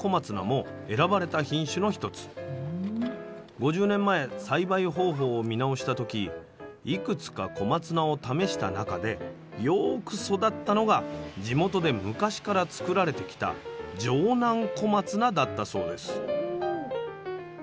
５０年前栽培方法を見直した時いくつか小松菜を試した中でよく育ったのが地元で昔から作られてきた「城南小松菜」だったそうです。